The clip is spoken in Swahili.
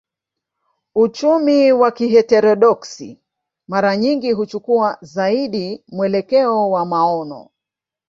Uchumi wa kiheterodoksi mara nyingi huchukua zaidi mwelekeo wa maono